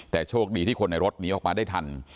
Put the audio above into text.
แต่โชคดีที่คนในรถหนีออกมาได้ทัน